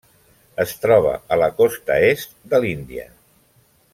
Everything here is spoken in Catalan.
Es troba a la costa est de l'Índia.